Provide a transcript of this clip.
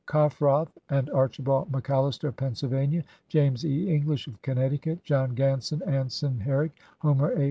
Cofrroth and Archibald McAllister of Pennsylvania ; James E. English of Connecticut; John Ganson, Anson Herrick, Homer A.